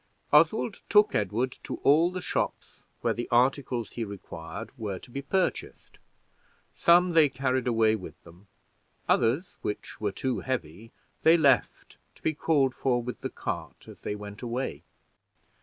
Oswald took Edward to all the shops where the articles he required were to be purchased; some they carried away with them; others, which were too heavy, they left, to be called for with the cart as they went away.